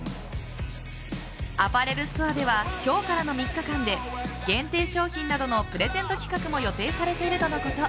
アパレルストアでは今日からの３日間で限定商品などのプレゼント企画も予定されているとのこと。